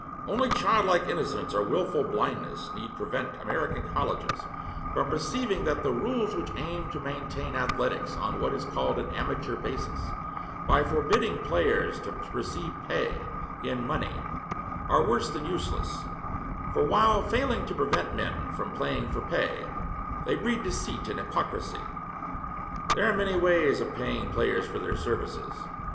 Only childlike innocence or willful blindness need prevent American colleges from perceiving that the rules which aim to maintain athletics on what is called an 'amateur' basis, by forbidding players to receive pay in money, are worse than useless, for while failing to prevent men from playing for pay, they breed deceit and hypocrisy. There are many ways of paying players for their services.